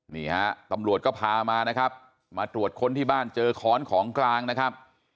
นี่ฮะตำรวจก็พามานะครับมาตรวจค้นที่บ้านเจอค้อนของกลางนะครับ